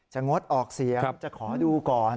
งดออกเสียงจะขอดูก่อน